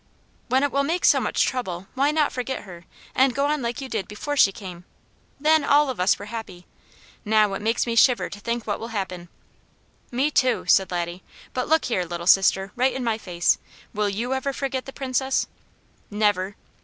"When it will make so much trouble, why not forget her, and go on like you did before she came? Then, all of us were happy. Now, it makes me shiver to think what will happen." "Me too," said Laddie. "But look here, Little Sister, right in my face. Will you ever forget the Princess?" "Never!"